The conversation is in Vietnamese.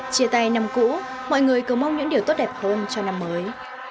chia tay năm cũ mọi người cờ mong những điều tốt đẹp hơn cho năm mới